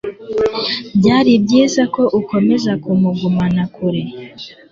Byari byiza ko ukomeza kumugumana kure